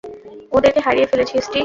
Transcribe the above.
ওদেরকে হারিয়ে ফেলেছি, স্টিক!